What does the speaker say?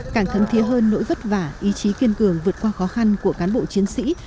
càng thấm thiết hơn nỗi vất vả ý chí kiên cường vượt qua khó khăn của cán bộ chiến sĩ